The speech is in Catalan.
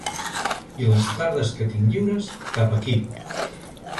I les tardes que tinc lliures, cap aquí.